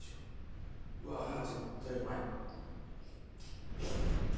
うわ絶対うまい。